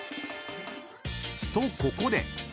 ［とここで］